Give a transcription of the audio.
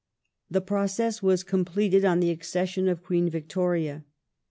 The process was com[)leted on the accession of Queen Victoria.